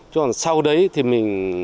chứ còn sau đấy thì mình